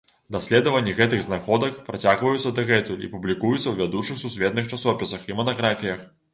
Даследванні гэтых знаходках працягваюцца дагэтуль і публікуюцца ў вядучых сусветных часопісах і манаграфіях.